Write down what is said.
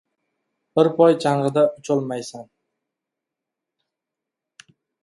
• Bir poy chang‘ida ucholmaysan.